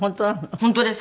本当です。